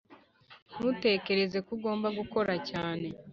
Ntutekereze ko ugomba gukora cyane